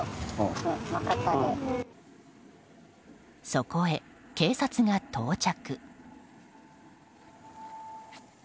そこへ、警察が到着。